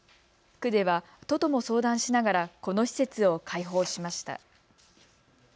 区では都とも相談しながらこの施設を開放しました。